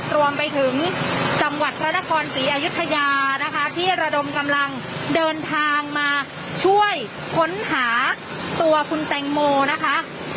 รวมไปถึงจังหวัดพระนครศรีอายุทยานะคะที่ระดมกำลังเดินทางมาช่วยค้นหาตัวคุณแตงโมนะคะ